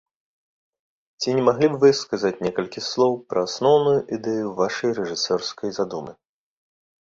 Ці не маглі б вы сказаць некалькі слоў пра асноўную ідэю вашай рэжысёрскай задумы?